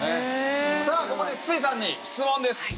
さあここで筒井さんに質問です。